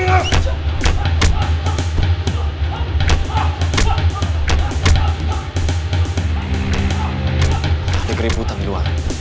ada keributan di luar